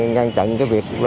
ngăn chặn việc